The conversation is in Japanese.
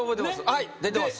はい出てます